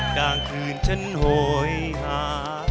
กลางคืนฉันเหงา